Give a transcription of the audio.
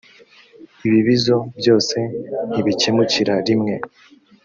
ibibizo byose ntibikemukira rimwe.